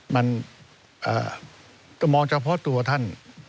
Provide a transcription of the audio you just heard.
มันจะมองเฉพาะตัวท่าน